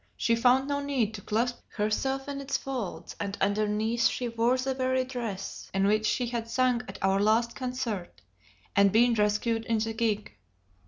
she found no need to clasp herself in its folds; and underneath she wore the very dress in which she had sung at our last concert, and been rescued in the gig.